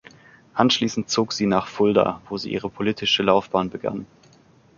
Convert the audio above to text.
Anschließend zog sie nach Fulda, wo sie ihre politische Laufbahn begann.